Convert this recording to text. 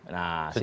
nah sikap ini